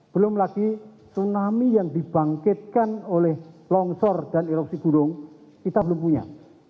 belum lagi tsunami yang dibangkitkan oleh longsor dan erupsi burung kita belum punya